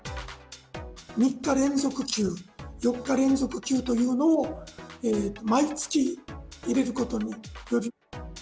３日連続休、４日連続休というのを毎月入れることにより。